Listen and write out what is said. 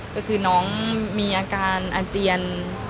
ก็คือน้องมีอาการอาเจียน